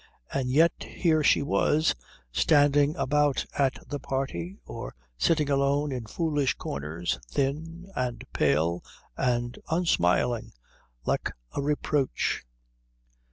And yet here she was, standing about at the party or sitting alone in foolish corners, thin, and pale, and unsmiling, like a reproach.